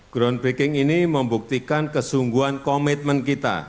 groundbreaking ini membuktikan kesungguhan komitmen kita